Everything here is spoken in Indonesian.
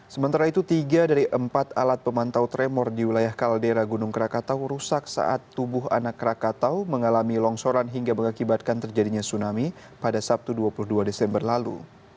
sementara itu tiga dari empat alat pemantau tremor di wilayah kaldera gunung krakatau rusak saat tubuh anak krakatau mengalami longsoran hingga mengakibatkan terjadinya tsunami pada sabtu dua puluh dua desember lalu